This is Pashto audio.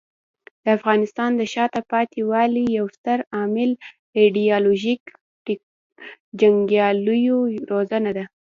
د افغانستان د شاته پاتې والي یو ستر عامل ایډیالوژیک جنګیالیو روزنه ده.